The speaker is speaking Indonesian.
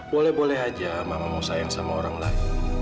boleh boleh aja mama mau sayang sama orang lain